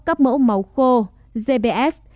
các mẫu máu khô gbs